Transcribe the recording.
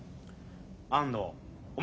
安藤お前